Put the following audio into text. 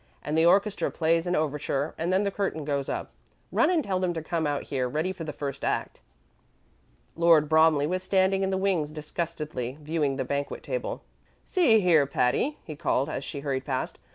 "And the orchestra plays an overture, and then the curtain goes up. Run and tell them to come out here, ready for the first act." Lord Bromley was standing in the wings disgustedly viewing the banquet table. "See here, Patty," he called as she hurried past.